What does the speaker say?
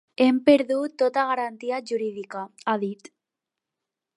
Hem perdut tota garantia jurídica, ha dit.